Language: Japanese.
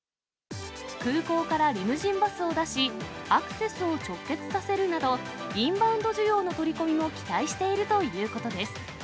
空港からリムジンバスを出し、アクセスを直結させるなど、インバウンド需要の取り込みも期待しているということです。